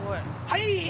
はい！